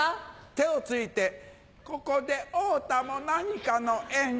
手をついて「ここで会うたも何かの縁。